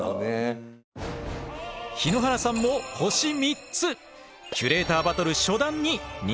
日野原さんも星３つ！